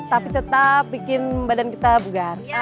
tapi tetap bikin badan kita bugar